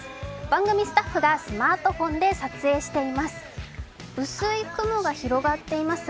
番組スタッフがスマートフォンで撮影しています。